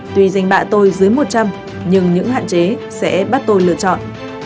tuy danh bạ tôi dưới một trăm linh nhưng những hạn chế sẽ bắt tôi lựa chọn